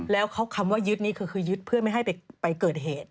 แล้วคำว่ายึดนี่คือยึดเพื่อไม่ให้ไปเกิดเหตุ